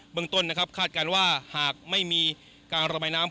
เมืองต้นนะครับคาดการณ์ว่าหากไม่มีการระบายน้ำ